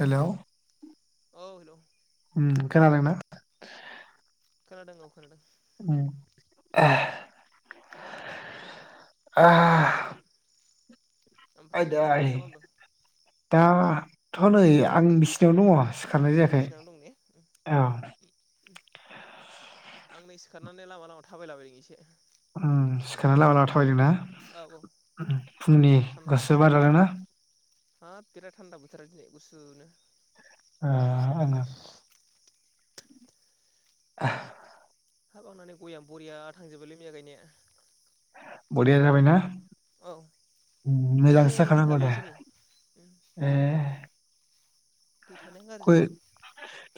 हेल' औ हेलौ खोनादोंना? खोनादों औ खोनादों [unintelligible] ओमफ्राय आयदाय मा खालामदों दा थ' नै आं बिसिनायावनो दङ सिखारनाय जायाखै बिसिनायावनो दं औ ने आं नै सिखारनानै लामा लामा थाबायलाबायदों एसे उम सिखारना लामा लामा था थाबायदोंना औ औ ना? फुंनि थान्दाथार गुसु बार जादों ना? हाब बेराद थान्दा बोथारा दिनै गुसुनो। ओ ओं ओं [unintelligible] हाब आंना नै गया बरिया थांजोबोलै मैया गायनाया। बरिया जाबायना? औ उम मोजांसो आयै दै जाखानांगौ थाबो दे। एसे नै उम ए दै थानाया गाज्रि गय नै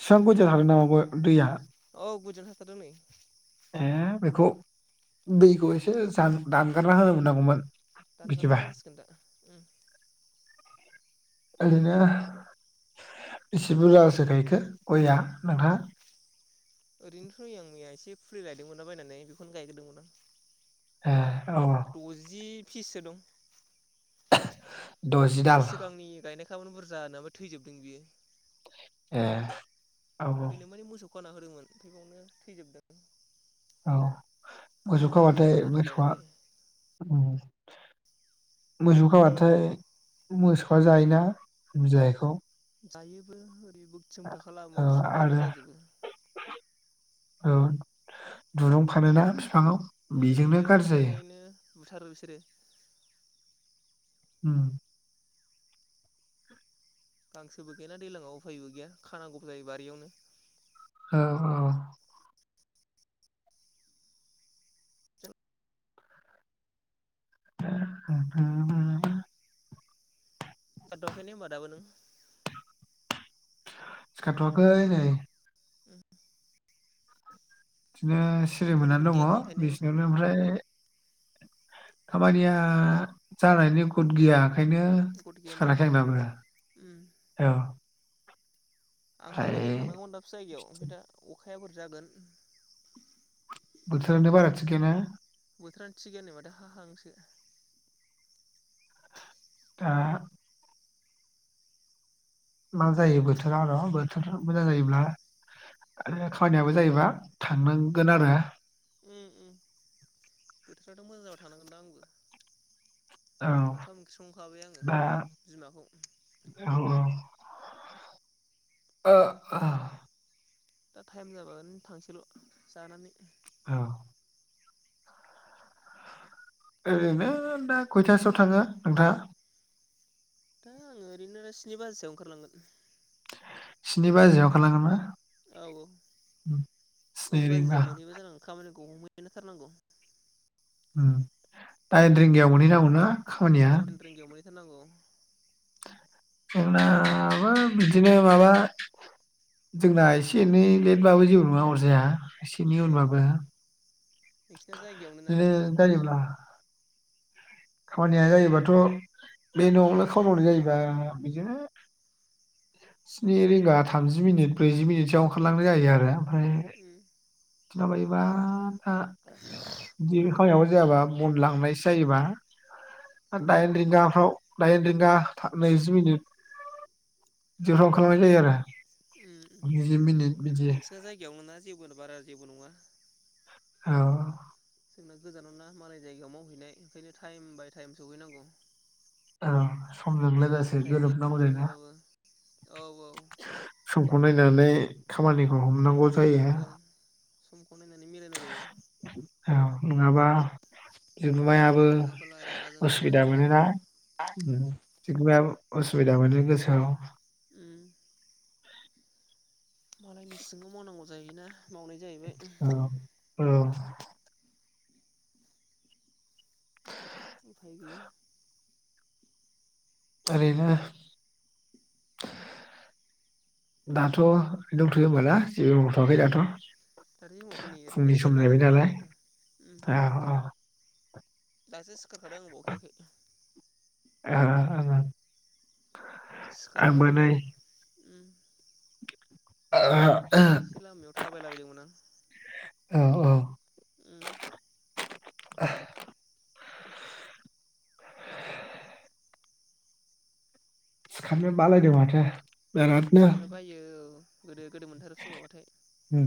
फिफां [unintelligible] हागोन नामा गय? दैया औ गोजोन होर'दों नै। ए बेखौ दैखौ एसे जानो दानगारना होनो मोननांगौमोन। दानगारना बिदिबा होनांसिगोन दा। उम ओरैनो बेसे बुरजासो गायखो गयाआ नोंथा? ओरैनोथ' नै आं मैया एसे फुलि लायदोंमोनना बायनानै बेखौनो गायगोरदोंमोन आं। ए औ द'जि फिससो दं। [unintelligible] दाल सिगांनि गायनाय फोर बुरजा नाबा थैजोबदों बियो। ए औ थैनो माने मोसौ होना होदोंमोन उमफ्राय बावनो थैजोबदों। औ मोसौ ओंखायनो खाबाथाय गायफिननांगौ जादों मोसौआ बायनानै। उम औ औ। मोसौखाबाथाय मोसौ जायोना बिजयैखौ जायोबो हो जि बोगथिं बोगथा ओ खालामो बिफां गाज्रि जाजोबो। औ दुारुं फानो ना फि फाङाव उम बेजोंनो दिरुं गाज्रि जायो। फाननानैनो बुथारो बिसोरो। ओम गांसोबो गैला दैज्लाङाव उफायबो गैया खानांगौबो जायो बारियावनो। औ औ [unintelligible] सिखादथ'वाखैने होम्बा दाबो नों सिखादथ'आखै नै। ओम थिनो सिरि खामानिफोर मोननानै गैया खोमा दङ ओंखायनो बिसिनायावनो ओमफ्राय खामानिया जानायनि गद गैया। ओंखायनो गथ गैयानिया सिखाराखै आंबाबो। उम। औ। आंहाबो ओमफ्राय नै थनांगौमोन दाबसे जायगायाव ओमफ्राय दा अ अखाया बोरै जागोन। बोथोरानो बारा थिख गैयाना। थोरानो थिग गैया नै माथो हाहांसो। दा। मा जायो बोथोरा र' बोथोर मोजां जायोब्ला आरो खामानियाबो जायोबा थांनांगोन आरो। ओम ओम बोथोराथ' मोजां जाबा थांनांगोन दां आंबो। औ ओंखाम ओंख्रि संखाबाय आङो दा बिमाखौ औ औ। [unintelligible] दा टाइम जाबा आरैनो थांसैल' जानानै। औ। ओरैनो दा खयथासोआव थाङो नोंथाङा। दा आङो ओरैनो स्नि बाजिसोआव ओंखारलांगोन। स्नि बाजियाव ओंखारलांगोन बा औ औ स्नि ओइद रिंगा बाजियाव मोनहैबा जानांगोन खामानि [unintelligible] नो थारनांगौ। होम। दाइन रिंगायाव मा मोनहैनांगौना खामानिया। औ दाइन रिंगायाव मोनहैथारनांगौ जोंनाबो बिदिनो माबा जोंना एसे एनै लेटबाबो जेबो नङा अरजाया। एसे एनै उम उनबाबो नोंसिना जायगायावनो ना बिदिनो जायोब्ला खामानिया जायोबाथ' बे न'आवनो खामावनाय जायोबा बिदिनो स्नि रिंगा थामजि मिनिट ब्रैजि मिनिट सोआव ओंखारलांनाय जायो आरो। फ्राय उम [unintelligible] बायबा [unintelligible] जाबा बन लांनाय जायोबा। दाइन रिंगाफ्राव दाइन रिंगा नैजि मिनिट। जोहां खालामनाय जायो उम आरो। [unintelligible] बिदि नोंसिना [unintelligible] बारा जेबो नङा। औ। जोंना गोजानाव ना मालाय जायगायाव मावहैनाय ओंखायनो टाइम बाय टाइम सहैनांगौ। अ। समजों लोगोसे उफाय गैया गोरोबनांगौ बिदि जायो ना नङाबाबो औ औ सम। नायनानै खामानिखौ हमनांगौ जा [unintelligible] औ [unintelligible] औ नङाबा बिगोमायाबो नङाबोला रागा जोंगोन उसुबिदा मालिकफ्राबो मोनोना ओम जिगुमायाबो असुबिदा मोनो गोसोआव उम मालायनि सिङाव मावनांगौ जायोना मावनाय जाहैबाय औ औ उफाय गैया ओरैनो दाथ' दंथ'यो होमबा ना जेबो उम मावथ'वाखै दाथ' दानि समावखौ नै ओरैनो फुंनि सम जिरायना दं जाहैबाय नालाय लामायाव उम ओ दासो सिख सिखारखादों आं बावखायाखै [unintelligible] आंबो नै उम [unintelligible] एसे लामायाव थाबायलाबायदोंमोन आं औ औ उम [inaudible] सिखारनो बालायदों माथो बिरादनो सिखारनो बायो औ गोदोद गोदो मोनथारो फुङावबाथाय उम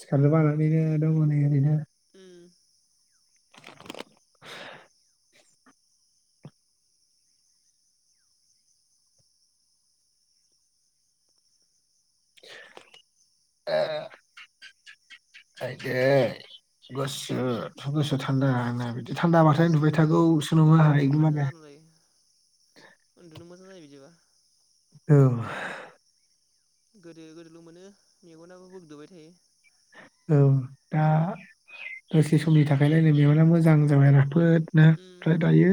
सिखारनो बानानैनो दङ नै ओरैनो उम [inaudible] आइदै गुसु एथ' गुसु थान्दा बिदि थान्दा बाथाय सिखा उन्दुबाय था थागौसो औ नङो आंहा उन्दुबाय थानो एकदमबारे आराम जायो [unintelligible] जायो बिदिबा औ। गोदो गोदोल' मोनो मेगनाबो बोग्दोबाय थायो। औ दा दसे समनि थाखायलायनो मेगना मोजां जाबाय राफोद। ना उम ओमफ्राय दायो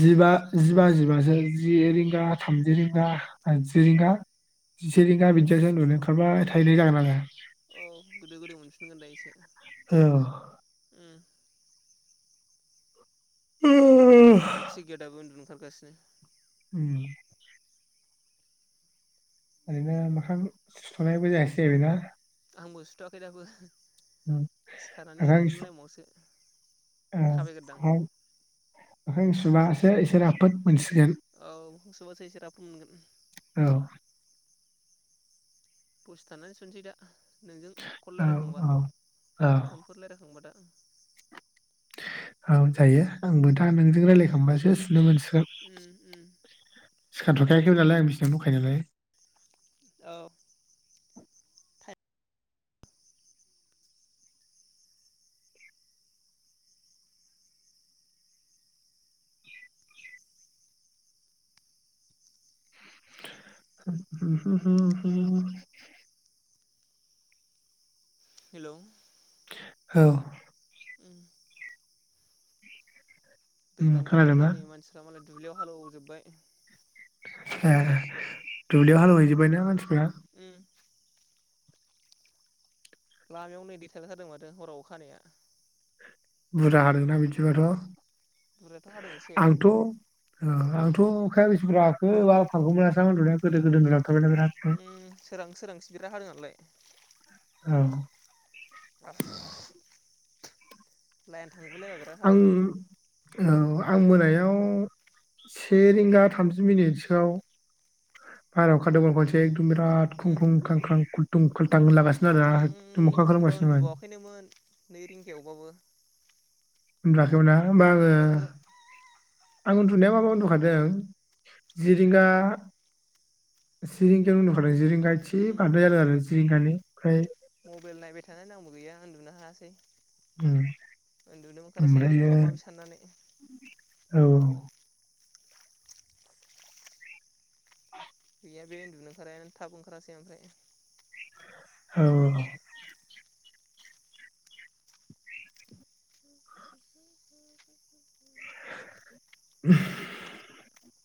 जिबा जिबा जिबासो जि रिंगा थामजि रिंगा जि रिंगा जिसे रिंगा बिदियासो उन्दुनो ओंखारबाय थानाय जागोन आङो। औ गोदो गोदो मोनफिनगोन दायो एसे। औ। उम आंबो नै मेगनानो थिग गैया दाबो उन्दु ओंखारगासिनो। उम। ओरैनो मोखां सुनायबो जायासै ना आंबो सुथ'वाखै दाबो। सिखारनानै ओरैनो लामायावसो [unintelligible] थाबायग्रोदां [unintelligible] बासो इसो राफोद। मोनसिगोन औ मोखां सुबासो एसे राफोद मोनगोन। औ दसेथानानै सुनसै दा। नोंजों कल औ लायरायखांबा औ औ फनफोर लायरायखांबा दा। औ जायो आंबोदा नोंजों रायजलायखांबासो सुनो मोनसि उम उम। सिखारथ'खायाखैमोन नालाय आं बिसिनायावनो दंखायो नालाय। औ। हुम हुम हुम हुम हुम। हेलौ। औ [inaudible] उम, दैलां बोथोरखाय खोनादोंना नै मानसिफ्रा मालाय दुब्लियाव हालौ जोबबाय। ए दुब्लियाव हालौहैजोबबायना मानसिफ्रा? उम। लामायाव नै दै थालायथारदों माथो हराव अखा हानाया। बुरजा हादोंदां बिदिबाथ'? बुरजाथ' हादों एसे आंथ' ओ आं थ' अखाया बिसिबुरजा हाखो बारा थालखौनो मोनासै आं उन्दुनाया गोदो गोदो उन्दुनाया। [unintelligible] उम सोरां सोरांसि बिराद हादों आनोलाय। औ। [unintelligible] बिराद आं हादों औ आं मोनायाव से रिंगा थामजि मिनिटसोआव बायरेयाव ओंखारदोंमोन खनसे बिराद उम खुंख्रं खांख्रां खुं [unintelligible] आं होमबा उन्दुबावाखैनोमोन नै रिंगायावबाबो। उनदुलाङाखैमोनना होमबा आङो ओहो आं उन्दुनाया माबा उन्दुखादों जिरिंगां जिरिंगा उन्दुखादों गायथि उम बांद्रायो आरो जिरिंगानि फ्राय मबाइल नायबाय थानायनै आंबो गैया उन्दुनो हायासै। उम, उन्दुनोबो ओंखारासै ओमफ्रायो माबा माबि साननानै। औ गैया बे उन्दुनो ओंखारनायानो थाब ओंखारासै ओमफ्राय। औ [unintelligible]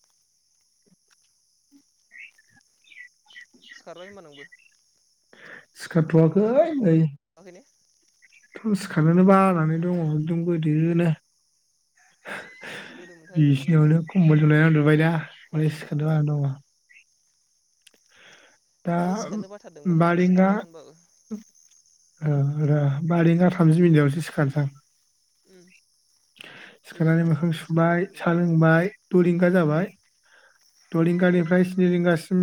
सिखारबाय होनबा नोंबो सिखारथवाखै नै। माहैनो थ सिखारनोनो बानानै दङ। दंग उम [unintelligible] गोदो गोदो मोनथारो मेगनाबो बिसिनियावनो खमबल जोमनानै उन्दुबायना माने उम सिखारनो बानानै दंङ। दा आंबो सिखारनो बाथारदोंमोन ओमफ्राय बारेंगा सिखारबाय आं होनबाबो ओ ओ बारें गा थामजि मिनिटावसो सिखारसै आं उम जुदियाव सिखारनानै मोखां थानायखाय सिखारबाय सुबाय आंबो सा लोंबाय द'रिंगा उम जाबाय। द' रिंगानिफ्राय स्नि रिंगासिम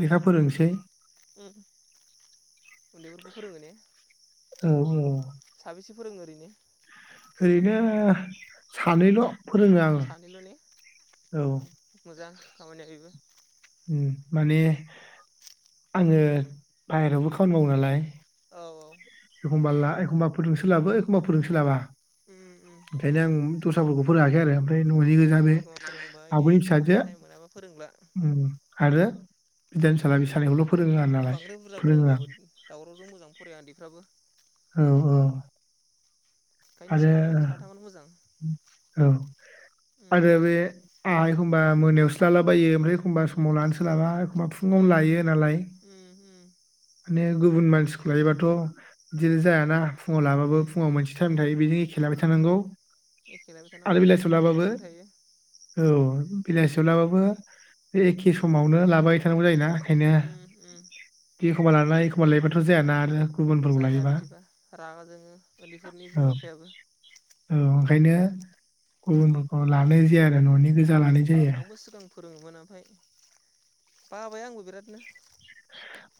लेखा फोलोंनोसै। उम उन्दैफोरखौ फोरोंङो ने। औ औ साबेसे फोरोंङो ओरैनो? ओरैनो सानैल'। फोरोङो आं सानैल' ने औ उम मोजां खामानिया बेबो उम माने आंङो बाहेरावबो खामानि मावो नालाय। औ औ एखमबा ला एखमबा फोरोंनो सोलाबो एखमबा फोरोंनो सोलाबा। उम उम ओंखायनो आं दस्राफोरखौ फोरोंङाखै आरो ओमफ्राय न'नि गोजा बे आब'नि [unintelligible] फिसाजो थाइम मोनाबा फोरोंला उम आरो बिधान [unintelligible] बांद्राय बुरजा फोरोंबाबो दावरावजों मोजां फराया उन्दैफ्राबो औ- औ ओंखायनो आरो सानै साथामानो मोजां औ उम आरो बे आ एखम्बा मोनायावसो लालाबायो ओमफ्राय एखमबा समाव लानो सोलाबा माफुंङावनो उम लायो नालाय उम उम माने गुबुन मानसिखौ लायोबाथ' बिदिनो जायाना फुङाव लाबाबो उम फुङाव मोनसि थायो बिनि एखे लाबाय थानांगौ। एखे लायबाय आरो थानांगौ बिलाइ टाइम सलाबाबो टेबोल थायो औ। बेलासियाव लाबाबो बे एखे समावनो लाबायबाय थानांगौ जायोना। ओंखायनो उम उम। बे एखमबा लानाय एखमा लेयाबाथ' जायाना आरो। गुबुनफोरखौ जाया लायोबा बिदिबा रागा जोङो उन्दैफोर औ औ। ओंखायनो गुबुनफोरखौ लानाय जाया आरो न'नि गोजा लानाय जायो आंबो सिगां फोरोङोमोन ओमफाय बाबाय आंबो बिरादनो।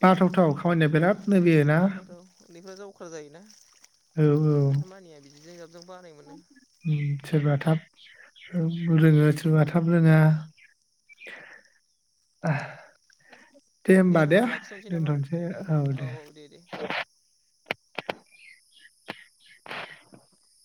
बाथावथाव खामानिया बिराद। बाथावथाव उन्दैफ्रा जा अख्रा जायोना औ औ खोथा मानिया बिदिजाय जों बानाय मोनो। उम, सोरबा थाब औ रोङो सोरबा थाब रोङा। दे ओमबा दे होमबा लाखिथ'नोसै नामा दोनथ'नोसै औ दे। [unintelligible]